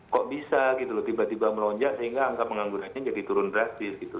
kok bisa gitu loh tiba tiba melonjak sehingga angka penganggurannya jadi turun drastis gitu